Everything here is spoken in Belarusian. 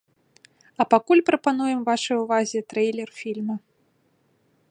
А пакуль прапануем вашай увазе трэйлер фільма.